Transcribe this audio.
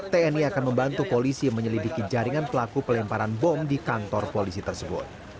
tni akan membantu polisi menyelidiki jaringan pelaku pelemparan bom di kantor polisi tersebut